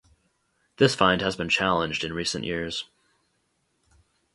This find has been challenged in recent years.